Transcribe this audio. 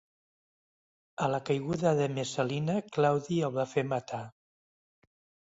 A la caiguda de Messalina Claudi el va fer matar.